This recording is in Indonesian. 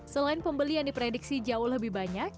selain pembelian diprediksi jauh lebih banyak